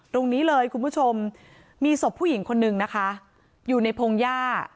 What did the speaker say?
ตรงนี้เลยคุณผู้ชมมีศพผู้หญิงคนนึงนะคะอยู่ในพงหญ้า